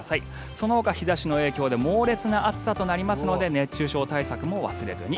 そのほか日差しの影響で猛烈な暑さとなりますので熱中症対策も忘れずに。